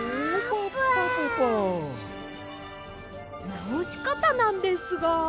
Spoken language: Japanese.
なおしかたなんですが。